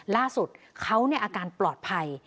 ล่าสุดเขาอาการปลอดภัย